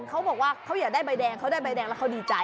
เขาบอกว่าเขาอยากได้ใบแดงเขาได้ใบแดงแล้วเขาดีใจ